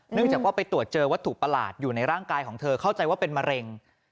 จากว่าไปตรวจเจอวัตถุประหลาดอยู่ในร่างกายของเธอเข้าใจว่าเป็นมะเร็ง